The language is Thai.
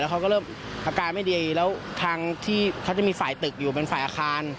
เขาก็เริ่มอาการไม่ดีแล้วทางที่เขาจะมีฝ่ายตึกอยู่เป็นฝ่ายอาคาร